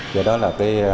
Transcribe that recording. vì đó là